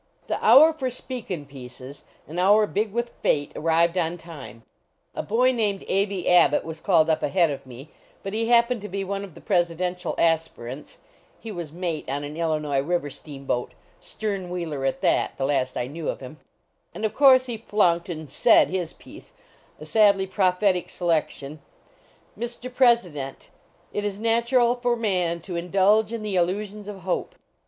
The hour for "speakin pieces," an hour big with fate, arrived on time. A boy named Aby Abbott was called up ahead of me, but he happened to be one of the presidential aspirants (he was mate on an Illinois river steamboat, stern wheeler at that, the last I knew of him), and of course he flunked and " said " his piece a sadly prophetic selection "Mr. President, it is natural for man to indulge in the illusions of hope."